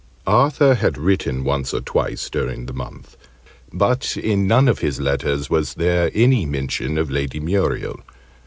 Arthur had written once or twice during the month; but in none of his letters was there any mention of Lady Muriel.